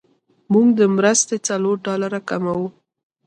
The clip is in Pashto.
موږ د مرستې څلور ډالره کموو.